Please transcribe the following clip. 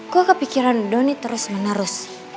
gue kepikiran doni terus menerus